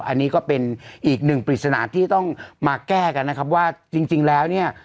อันนี้ก็เป็นอีกหนึ่งปริศนาที่ต้องมาแก้กันนะครับว่าจริงแล้วเนี่ย